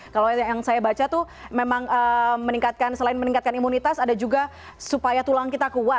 kalau yang saya baca tuh memang meningkatkan selain meningkatkan imunitas ada juga supaya tulang kita kuat